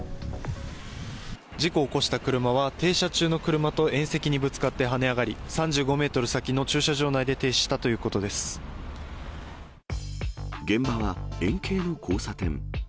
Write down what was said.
事故を起こした車は、停車中の車と縁石にぶつかって跳ね上がり、３５メートル先の駐車現場は円形の交差点。